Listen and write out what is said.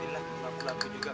ini lah mampu mampu juga